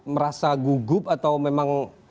merasa gugup atau memang